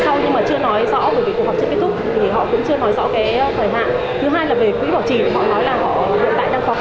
thứ hai là về quỹ bảo trì thì họ nói là họ hiện tại đang khó khăn không có tiền